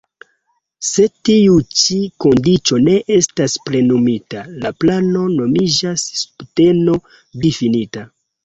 Se tiu ĉi kondiĉo ne estas plenumita, la plano nomiĝas "subteno-difinita".